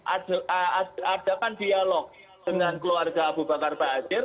adakan dialog dengan keluarga abu bakar basir